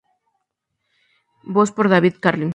Voz por David Carling.